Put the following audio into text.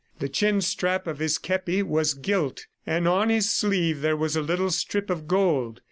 The chin strap of his kepi was gilt, and on his sleeve there was a little strip of gold.